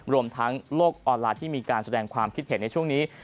รวมทั้งโลกออนไลน์ที่มีการแสดงความคิดเห็นในช่วงนี้